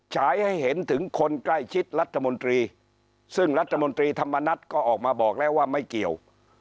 ฉายให้เห็นถึงคนใกล้ชิดรัฐมนตรีซึ่งรัฐมนตรีธรรมนัฏก็ออกมาบอกแล้วว่าไม่เกี่ยว